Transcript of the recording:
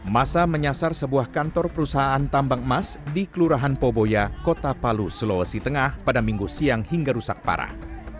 masa menyasar sebuah kantor perusahaan tambang emas di kelurahan poboya kota palu sulawesi tengah pada minggu siang hingga rusak parah